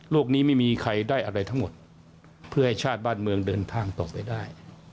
นี้ไม่มีใครได้อะไรทั้งหมดเพื่อให้ชาติบ้านเมืองเดินทางต่อไปได้